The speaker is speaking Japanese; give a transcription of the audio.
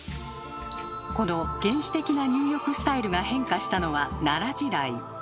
この原始的な入浴スタイルが変化したのは奈良時代。